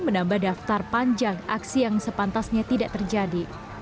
menambah daftar panjang aksi yang sepantasnya tidak terjadi